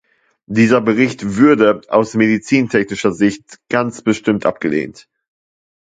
Dieser Bericht würde aus medizintechnischer Sicht ganz bestimmt abgelehnt.